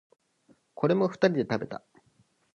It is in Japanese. これも二人で食べた。